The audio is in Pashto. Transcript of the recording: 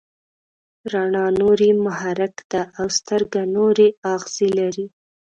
رڼا نوري محرک ده او سترګه نوري آخذې لري.